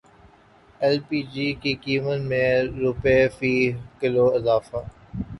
L P G کی قیمت میں روپے فی کلو اضافہ